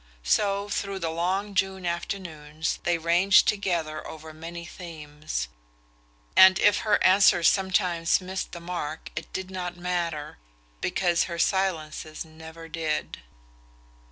So, through the long June afternoons, they ranged together over many themes; and if her answers sometimes missed the mark it did not matter, because her silences never did.